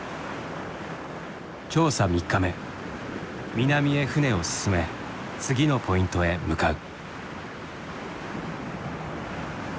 南へ船を進め次のポイントへ向かう。